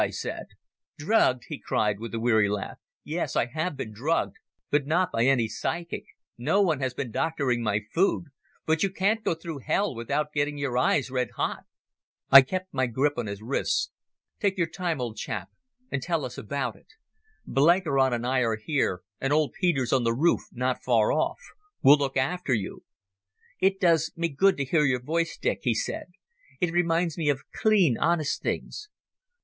I said. "Drugged," he cried, with a weary laugh. "Yes, I have been drugged, but not by any physic. No one has been doctoring my food. But you can't go through hell without getting your eyes red hot." I kept my grip on his wrists. "Take your time, old chap, and tell us about it. Blenkiron and I are here, and old Peter's on the roof not far off. We'll look after you." "It does me good to hear your voice, Dick," he said. "It reminds me of clean, honest things."